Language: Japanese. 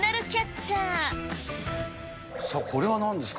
さあ、これはなんですか？